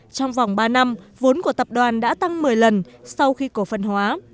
trong vòng ba năm vốn của tập đoàn đã tăng một mươi lần sau khi cổ phần hóa